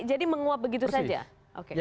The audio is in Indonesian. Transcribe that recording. jadi menguap begitu saja oke